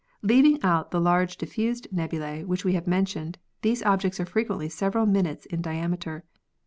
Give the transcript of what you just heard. Leaving out the large diffused nebulae which we have mentioned, these objects are frequently several minutes in diameter.